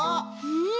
うん。